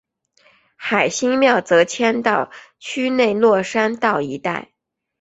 海心庙则迁到区内落山道一带。